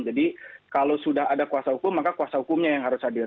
jadi kalau sudah ada kuasa hukum maka kuasa hukumnya yang harus hadir